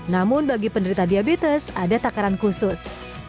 namun bagi penderita diabetes ada takaran khusus